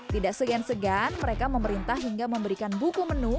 tidak segan segan mereka memerintah hingga memberikan buku menu